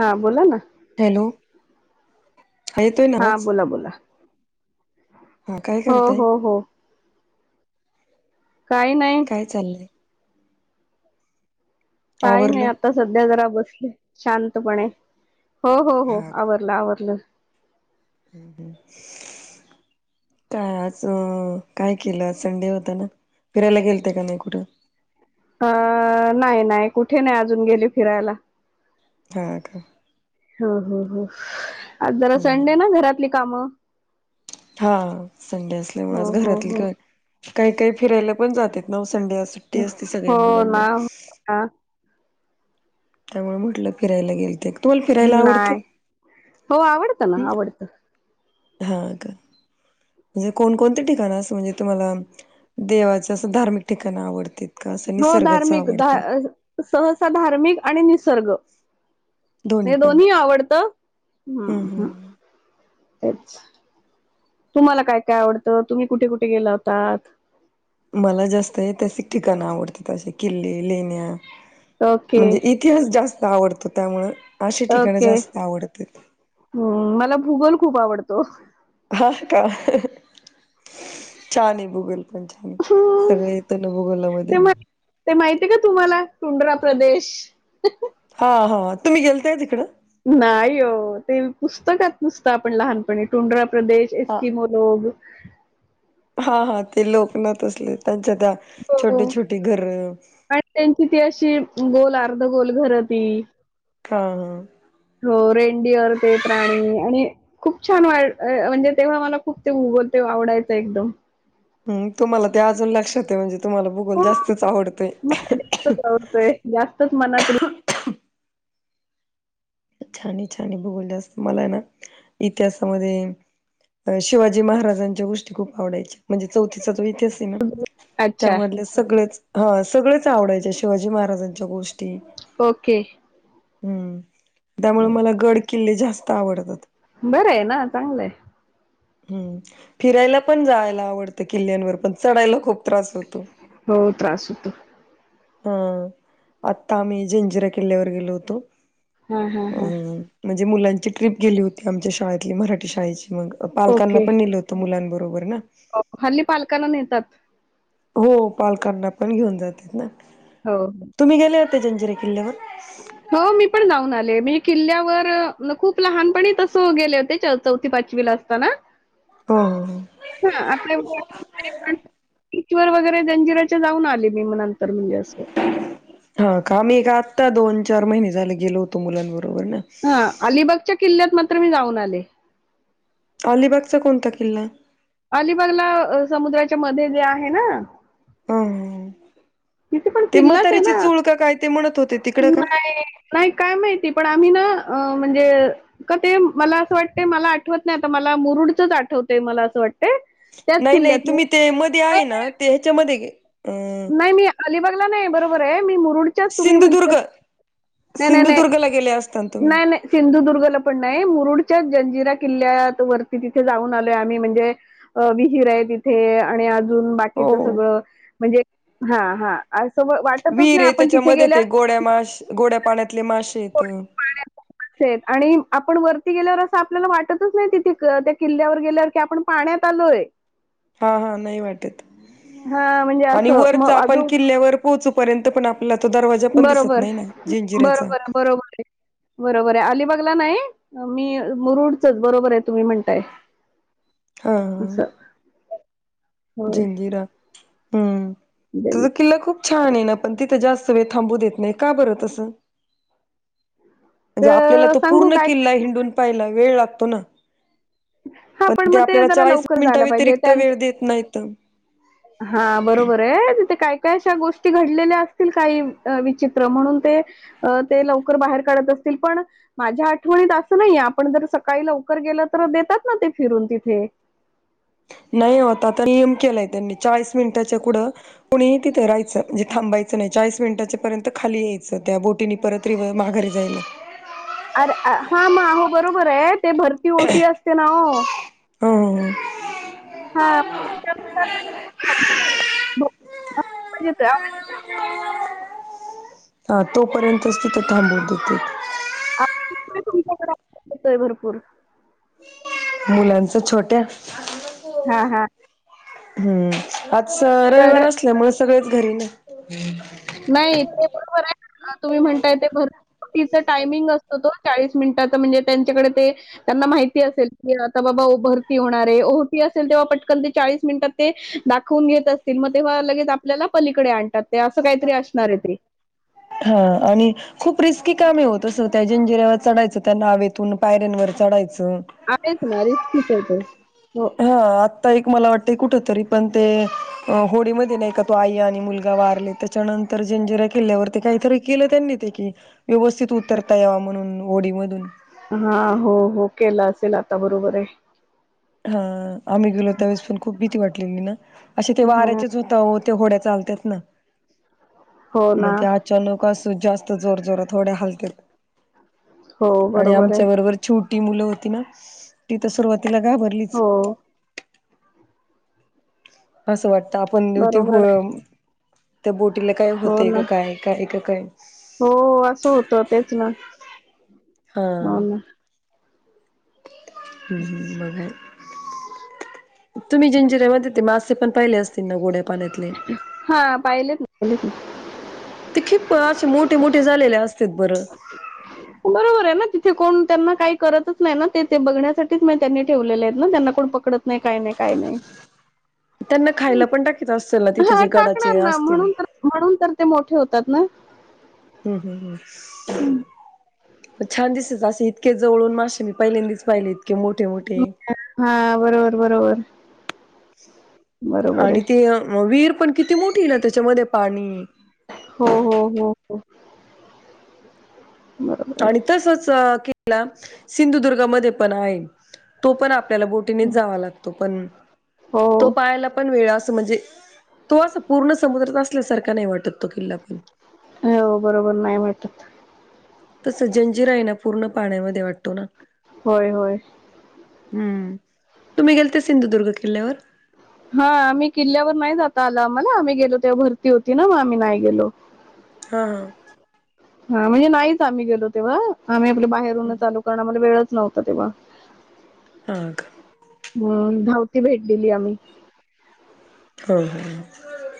हां बोला ना. हॅलो हा येतोय नावाच, बोला बोला हा काय हो करताय?? हो हो काही नाही काय चाललंय? काही नाही आवरलं आता सध्या जरा बसले शांतपणे. हो-हो-हो, आवरलं आवरलं. हम्म हम्म का च काय केलं आ? संडे होता ना? फिरायला गेलते का नाही कुठं? अं नाही नाही कुठे नाही आजून गेली फिरायला. हां का. हो-हो-हो, आज जरा हम्म. संडे ना घरातली कामं. हां संडे असल्यामुळे आज हो हो घरातली हो का, काही काही फिरायला पण जातेत ना ओस् संडे आज सुट्टी असते सगळ्या हो मुलांना. ना हा त्यामुळे म्हटलं फिरायला गेलते क? नाय, हो आवडतं ना आवडतं. हां का. म्हणजे कोणकोणते ठिकाण असं म्हणजे तुम्हाला देवाचं असं धार्मिक ठिकाण आवडतेत? का असं हो निसर्गाचं धार्मिक, दा आवडतं अ सहसा धार्मिक आणि निसर्ग. नाही दोन्ही आवडतं हम्म हम्म तेच तुम्हाला काय काय आवडतं तुम्ही कुठे कुठे गेला होतात मला जास्त ऐतिहासिक ठिकाणं आवडतात असे किल्ले लेण्या ओके म्हणजे इतिहास जास्त आवडतो त्यामुळं अशी ठिकाणं ओके जास्त आवडतात. हम्म मला भूगोल खूप आवडतो हा का छान आहे भूगोल पण छान आहे सगळं येत ना भूगोलामध्ये ते मा ते माहिती का तुम्हाला टुंड्रा प्रदेश हा हा तुम्ही गेलते का तिकडं नाही ओ ते पुस्तकात नुसतं आपण लहानपणी टुंड्रा प्रदेश हा एस्कीमोलो हा हा ते लोक ना तसले त्यांच्या त्या हो छोटी छोटी घर आणि त्यांची ती अशी गोल अर्ध गोल घरं ती हा हा हो रेनडिअर ते प्राणी आणि खूप छान वा म्हणजे तेव्हा मला खूप ते भुगोल तेव्हा आवडायचा एकदम हम्म तुम्हाला ते अजून लक्षात आहे म्हणजे तुम्हाला भूगोल हो जास्तच आवडतय मला ते जास्तच आवडतंय जास्तच मनात छानये छानये भूगोल जास्त मला ना इतिहासामध्ये शिवाजी महाराजांच्या गोष्टी खूप आवडायच्या म्हणजे चौथी चा इतिहास आहे ना अच्छा त्यामधले सगळेच हां सगळेच आवडायचे शिवाजी महाराजांच्या गोष्टी ओके हम्म त्यामुळे मला गड किल्ले जास्त आवडतात बरं आहे ना चांगलंय हम्म फिरायला पण जायला आवडतं किल्ल्यांवर पण चढायला खूप त्रास होतो हो त्रास होतो हा आत्ता आम्ही जंजिरा किल्ल्यावर गेलो होतो हा हा अ हा म्हणजे मुलांची ट्रिप गेली होती आमच्या शाळेतली मराठी शाळेची मग पालकांना ओके पण नेलं होतं मुलांबरोबर ना हल्ली पालकांना नेतात हो पालकांना पण घेऊन जातात ना हो तुम्ही गेले जंजिरा किल्ल्यावर हो मी पण जाऊन आले मी किल्ल्यावर खूप लहानपणी तस गेले होते चौथी पाचवी ला असताना हो हो हां आपल्या किल्ल्या वर वगैरे जंजिराच्या जाऊन आले मी मग नंतर म्हणजे असं हा का आम्ही एक आत्ता दोन चार महिने झाले गेलो होतो मुलांबरोबर ना हा अलिबागच्या किल्ल्यात मात्र मी जाऊन आले अलिबागचा कोणता किल्ला अलिबागला समुद्राच्या मध्ये जे आहे ना हम तिथे पण किल्लाच आहे ना ते म्हणत होते तिकडं का नाही नाही काय माहिती पण आम्ही ना म्हणजे का ते मला असं वाटते मला आठवत नाही आता मला मुरुडच आठवत हो मला असं वाटते नाही नाही तुम्ही ते मध्ये आहे ना नाही, ते ह्याच्यामध्येे नाही मी अलिबागला नाही बरोबर आहे मी मुरुडच्याच तुम्ही म्हणता सिंधुदुर्ग नाही नाही नाही सिंधुदुर्गला गेले असता ना तुम्ही नाही नाही सिंधुदुर्गला पण नाही मुरुड च्या जंजिरा किल्ल्यात वरती तिथे जाऊन आलोय आम्ही म्हणजे विहीर आहे तिथे आणि आ अजून हो बाकीच सगळं म्हणजे हा हा विहिर आहे त्याच्या मध्ये ते गोड्या माश गोड्या पाण्यातले मासे येत मासे आणि आपण वरती गेल्यावर असं आपल्याला वाटतच नाही तिथ त्या किल्ल्यावर गेल्यावर की आपण पाण्यात आलोय हा हा नाही वाटेत हा म्हणजे आणि असं वरचा मग आपण अजून किल्ल्यावर पोहोचूपर्यंत पण आपल्याला तो दरवाजा पण दिसत बरोबर नाही ना जंजिऱ्याच्या बरोबर बरोबर आहे [inaudible] बरोबर आहे अलिबागला नाही मी मुरुडचच बरोबर आहे तुम्ही म्हणताय हा असं होय जंजिरा हम्म दिल्ली. तसा किल्ला खूप छान आहे ना पण तिथं जास्त सगळे थांबू देत नाही का बरं तसं म्हणजे आपल्याला तर तो सांगू पूर्ण काय किल्ला हिंडून पाहिला वेळ लागतो ना हा पण ते मग आपल्याला जरा चाळीस लवकर मिनिटा जायला पाहिजे व्यतिरिक्त त्यांच वेळ देत नाहीत हा बरोबर आहे तिथे काय का अशा गोष्टी घडलेल्या असतील काही विचित्र म्हणून ते ते लवकर बाहेर काढत अस पण माझ्या आठवणीत असं नाही आपण जर सकाळी लवकर गेल तर देतात ना ते फिरून तिथे [inaudible] नाही होता आता नियम केलाय त्यांनी चाळीस मिनिटाच्या पूढं कुणी तिथे राहायचं म्हणजे थांबायचं नाही चाळीस मिनिटाच्या पर्यंत खाली यायचं त्या बोटीनी परत रिव्हर्स माघरी जायला अरे हा मग आहो बरोबर आहे ते भरती ओटी असते ना हो हो [inaudible] हा तोपर्यंतच तिथे थांबून देते तुमच्याकडे येतोय भरपूर मुलांच छोट्या हा हा हम्म आज रविवार तर असल्यामुळे सगळे घरी नाही ते बरोबर आहे तुम्ही म्हणताय ते भरुतीच टायमिंग असत तो चाळीस मिनिटाचा म्हणजे त्यांच्याकडे ते त्यांना माहिती असेल की आता बाबा भरती होणार आहे ओहोटी असेल पटकण ते चाळीस मिनटात ते दाखवून घेत असतील मग तेव्हा लगेच आपल्याला पलीकडे आणतात असं काहीतरी असणार आहे ते. हा आणि खूप रिस्क की कामे हो ते अस त्या जंजिरा्यावर चढायचं त्या नावेतून पायऱ्यांवर चढायचं हा तेच ना रिस्कीच आहे ते हो. हा आता एक मला वाटत कुठ तरी पण ते होडीमध्ये नाही का तो आई आणि मुलगा वारले त्याच्यानंतर जंजिरा किल्ल्यावरती काहीतरी केलं त्यांनी ते क व्यवस्थित उतरता यावा म्हणून होडी मधून असल आता बरोबर आहे हा आम्ही गेलो त्यावेेळेस पण खूप भीती वाटलेली ना असे ते हां. वाऱ्याचेच झोतावर ते होड्या चालतात ना हो ना. मग ते अचानक असू जास्त जोर जोरात होड्या हलत्यात. हो आणि आहे. आमच्या बरोबर चू ती मुलं होती, ना ती तर सुरुवातीला घाबरलीच. हो. असं वाटतं आपण दिऊ ती बरोबर होळ आहे. त्या बोटीला काय हो होतय का ना. काय काय का काय, हो असं होतं, तेच ना हाआ हो ना. ह्म बघाय, तुम्ही जिंजिऱ्यामध्ये ते मासे पण पाहिले असतील, ना गोड्या पाण्यातले. हाआ पाहिलेत ना पाहिलेत. ते खीप अ असे मोठे मोठे झालेले अस बरोबर आहे ना तिथे कोण, त्यांना काही करतच नाही, ना ते ते बघण्यासाठीच म त्यांनी ठेवलेले आहेत ना. त्यांना कोण पकडत नाही काही नाही काय नाही. [inaudible] त्यांना खायला पण टाकीत असतील ना तिथे हा जे टाकणार गडाचेए ना असतील. म्हणून तर म्हणून तर ते मोठे होतात हम् हम हम्. हम. छान दिसेच असे इतके जवळून मासे मी पहिल्यांदाच पाहिले. मोठे मोठे. [unintelligible] हा बरोबर बरोबर. बरोबर आहे आणि तीए विहीर पण किती मोठी हे ना त्याच्यामध्ये पाणी हो हो हो हो. बरोबर आहे आणि तसच अं किल्ला सिंधुदुर्ग मध्ये पण आहे. तो पण आपल्याला बोटीनेच जावा लागतो पण हो तो पायाला पण वेळ असं म्हणजे तो अस पूर्ण समुद्रात असल्यासारखा नाही वाटत. तो किल्ला पण हो बरोबर नाही वाटत. तसं जंजिरा आहे ना पूर्ण पाण्यामध्ये वाटतो ना. होय होय. हम्म तुम्ही गेलते सिंधुदुर्ग किल्ल्यावर? हा आम्ही किल्ल्यावर नाही जाता आल आम्हाला आम्ही गेलो तेव्हा भरती होती ना मग आम्ही नाही गेलो. हा हा. हा म्हणजे नाहीच आम्ही गेलो तेव्हा आम्ही आपल्या बाहेरूनच आलो करण आम्हाला वेळ नव्हतं तेव्हा, हा का. हम् धावती भेट दिली आम्ही, हो.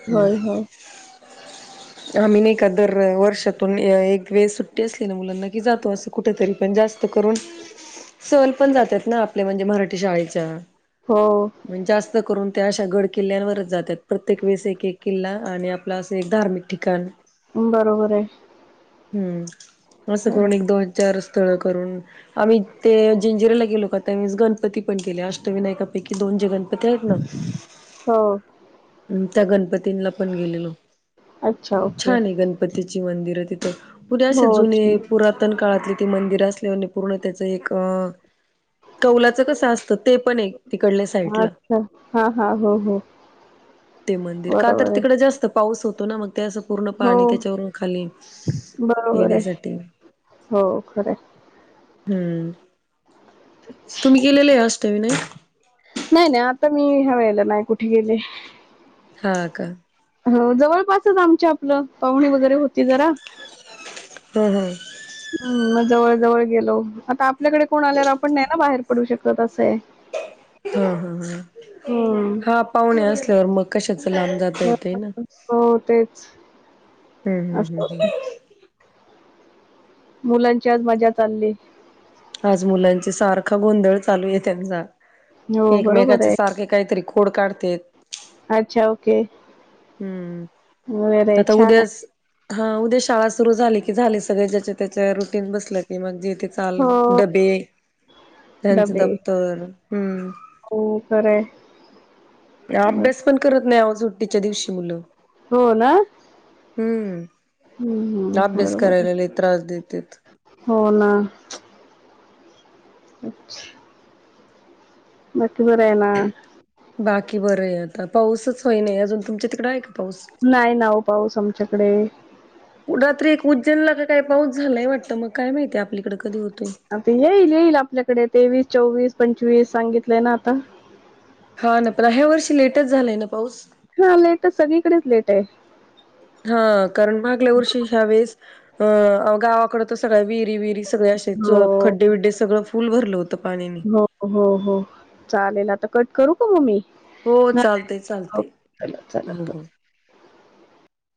होय हो आम्ही नाही का दर वर्षातून एक वेळ सुट्टी असले ना मुलांना, की जातो असं कुठेतरी पण जास् करून, सल पण जातात ना आपल्या म्हणजे मराठी शाळेच्या. हो, म्हण जास्त करून त्या अशा गड किल्ल्यांवरच जातात प्रत्येक वेळेस एक एक किल्ला आणि आपला असं एक धार्मिक ठिकाण. बरोबर आहे. हम्म असं खरं आहे. करून एक दोन-चार, तळ करून आम्ही ते जंजिराला गेलो का त्या वेळेस गणपती पण केले अष्टविनायकापैकी दोन, जे गणपती आहेत ना, हो. त्या गणपतींला पण गेलेलो अच्छा, खूप ओके. छान आहे गणपतीची मंदिर. पुरे हो, असे जुने अच्छा. पुरातन काळातले त मंदिर अस अस पूर्ण त्याचं एकअं कौलाचं कसं असतं ते पण ए इकडली साईडला. अच्छा. हां, हां. हो, हो. ते मंदिर का तर बरोबर आहे. तिकड जास्त पाऊस होतो ना मग त्या असं पूर्ण हो, पाणी त्याच्यावरून खालीइ बरोबर आहे. येण्यासाठी हो खरं हाय. हम्म तुम्ही गेलेले असताय नई नाही नाही आता मी ह्या वेळेला नाही कुठे गेले. हा का. हो जवळपासच आमच्या आपलं पाहुणे वगैरे होती जरा हम हम. हम् म जवळ जवळ गेलो आता आपल्याकडे कोण आल्यावर आपण नाही ना बाहेर पडू शकत असं हाय हा हा हा. हं. हा पाहुणे असल्यावर, मग कशाच लांब जाता येतय ना. हो तेच. हम्म हम्म असं. हम्म होतं. हम्म मुलांची आज मजा चालली. आज मुलांची सारखा गोंधळ चालू आहे त्यांचा. हो बरोबर एकमेकाचे आहे. सारखे काहीतरी खोड काढतेत. अच्छा ओके वगैरे हम्म आहे आता छान उद्या आहे. हा उद्या शाळा सुरु झाली की झाली सगळे ज्याच्या त्याच्या रुटीन बसलं की मग जे ते चालू हो डबे त्यांच डबे दप्तर हम्म हो खरं आहे. बर अभ्यास पण करत नाही अहो. सुट्टीच्या दिवशी मुलं. हो ना. हम्म हम्म, अभ्यास बरोबर आहे. करायला लय त्रास देत्यात. हो ना. बाकी बराय ना. र आता पाऊसच नाही अजून. तुमच्या तिकडे हाय का? पाऊस? नाही नाव पाऊस आमच्याकडे. उज्जनला का काय पाऊस झालाय वाटतं. मग काय माहिती आपलीकडे कधी होत आता येईल येईल आपल्याकडे. तेवीस, चोवीस, पंचवीस सांगितलंय ना आता. हा ना पण ह्या वर्षी लेटच झालाय ना पाऊस. हा लेट सगळीकडेच लेट आहे. हा कारण मागल्या वर्षी ह्या वेळेस अ गावाकड सगळ्या विहिरी विहिरी सगळं अशे हो खड्डे बिड्डे सगळं फुल भरत. हो हो हो चालेल. आता कट करू का मग मी. हो नाही चालतंय. हो चालतंय. चला चला. हो हो.